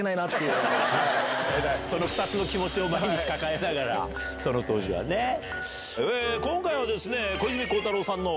その２つの気持ちを毎日抱えながらその当時はね。今回は。